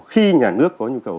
khi nhà nước có nhu cầu